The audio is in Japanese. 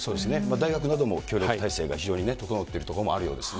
大学なども協力体制が非常に整っているところもあるようですね。